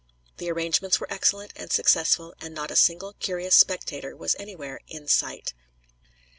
The arrangements were excellent and successful, and not a single curious spectator was any where in sight.